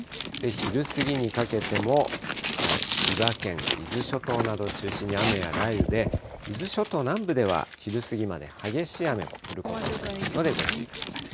昼過ぎにかけても千葉県、伊豆諸島などを中心に雨や雷雨で、伊豆諸島南部では昼過ぎまで激しい雨の降ることもありますので、ご注意ください。